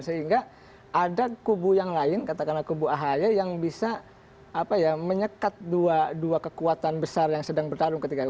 sehingga ada kubu yang lain katakanlah kubu ahy yang bisa menyekat dua kekuatan besar yang sedang bertarung ketika itu